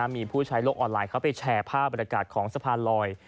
มีผู้ใช้โลกออนไลน์เขาไปแชร์ภาพบรรยากาศของสะพานลอย